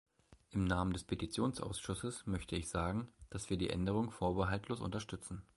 Im Namen des Petitionsausschusses möchte ich sagen, dass wir die Änderungen vorbehaltlos unterstützen.